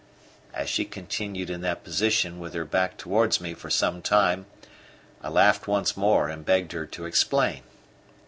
As she continued in that position with her back towards me for some time, I laughed once more and begged her to explain.